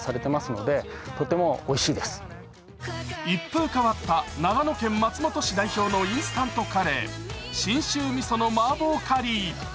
一風変わった長野県松本市代表のインスタントカレー、信州味噌の麻婆カリー。